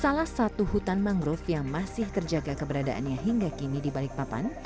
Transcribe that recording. salah satu hutan mangrove yang masih terjaga keberadaannya hingga kini di balikpapan